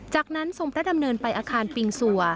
จากนั้นทรงพระดำเนินไปอาคารปิงซัว